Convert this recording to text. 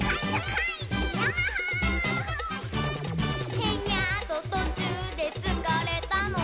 「ヘニャーっととちゅうでつかれたの」